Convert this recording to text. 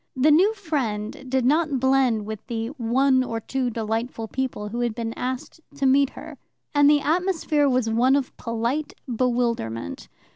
The new friend did not blend with the "one or two delightful people" who had been asked to meet her, and the atmosphere was one of polite bewilderment.